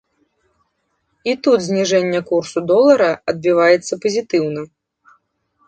І тут зніжэнне курсу долара адбіваецца пазітыўна.